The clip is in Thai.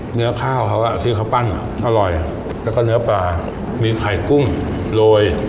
เนื้อข้าวเขาซื้อข้าวปั้นอร่อยแล้วก็เนื้อปลามีไข่กุ้งโรย